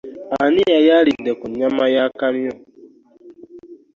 Ani yali alidde ku nnyama y'akamyu?